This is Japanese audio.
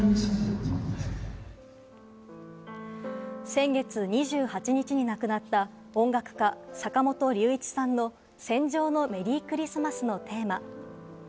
先月２８日に亡くなった音楽家・坂本龍一さんの『戦場のメリークリスマス』のテーマ。